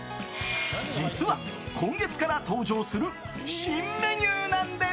実は今月から登場する新メニューなんです。